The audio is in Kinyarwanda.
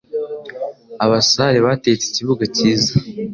abasare batetse ikibuga cyiza